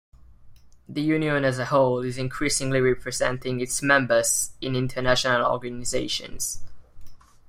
The Union as a whole is increasingly representing its members in international organisations.